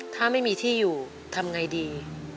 ถ้าไม่มีที่อยู่ทำไงดี